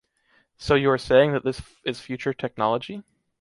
So you are saying that this is future technology?